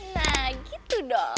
nah gitu dong